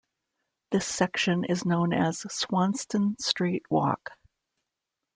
This section is known as "Swanston Street Walk".